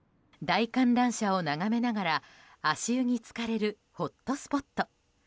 大観覧車を眺めながら足湯に浸かれるホットスポット。